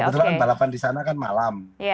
kebetulan balapan di sana kan malam